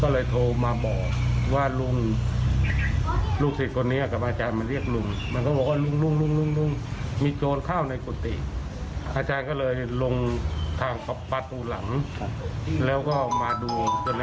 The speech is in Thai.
หัวก็มัวอายุ๒๒แต่ลุงพ่อนี้ต้องมี๕๐ขึ้นนะเอาอยู่เลยนะ